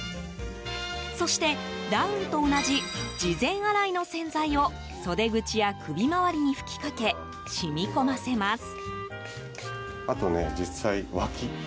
そして、ダウンと同じ事前洗いの洗剤を袖口や首周りに吹きかけ染み込ませます。